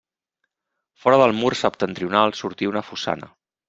Fora del mur septentrional sortí una fossana.